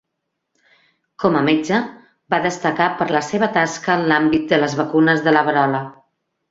Com a metge, va destacar per la seva tasca en l'àmbit de les vacunes de la verola.